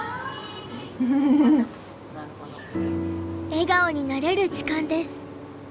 笑顔になれる時間です。